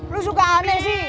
lu suka aneh sih